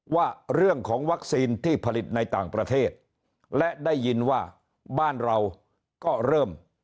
ว่าเรื่องของวัคซีนที่ผลิตในต่างประเทศและได้ยินว่าบ้านเราก็เริ่ม